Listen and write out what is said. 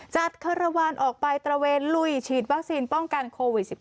คารวาลออกไปตระเวนลุยฉีดวัคซีนป้องกันโควิด๑๙